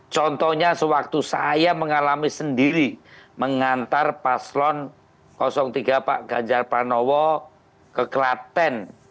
contohnya sewaktu saya mengalami sendiri mengantar paslon tiga pak ganjar pranowo ke klaten